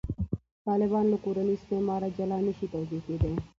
طالبان له «کورني استعماره» جلا نه شي توضیح کېدای.